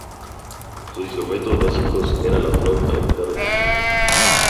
Sus instrumentos básicos eran la flauta, la guitarra y el tambor.